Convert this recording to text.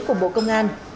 của bộ công an